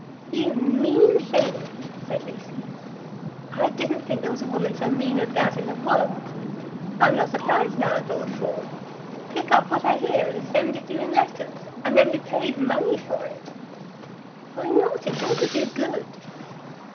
"You mean thing!" said Lucy. "I didn't think there was a woman so mean as that in the world. I'm not surprised now at Lord Fawn. Pick up what I hear, and send it you in letters, and then be paid money for it!" "Why not? It's all to do good."